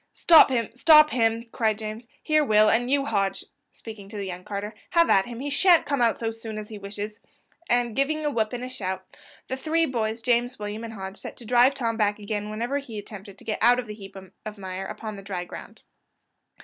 "Stop him! stop him!" cried James. "Here, Will and you, Hodge," speaking to the young carter, "have at him, he shan't come out so soon as he wishes;" and giving a whoop and a shout, the three boys, James, William, and Hodge, set to to drive Tom back again whenever he attempted to get out of the heap of mire upon the dry ground.